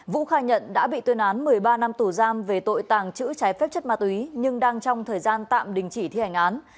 vũ khai nhận đã bị tuyên án một mươi ba năm tù giam về tội tàng trữ trái phép chất ma túy nhưng đang trong thời gian tạm đình chỉ thi hành án